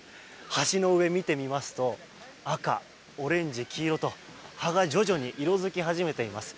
橋の上を見てみますと赤、オレンジ、黄色と葉が徐々に色づき始めています。